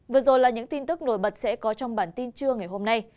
vừa rồi là những tin tức nổi bật sẽ có trong bản tin trưa ngày hôm nay